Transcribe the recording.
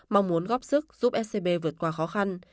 mong muốn góp sức giúp scb vượt qua khó khăn